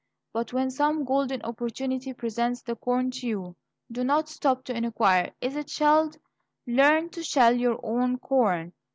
But when some golden opportunity presents the corn to you, do not stop to inquire, "Is it shelled?" Learn to shell your own corn.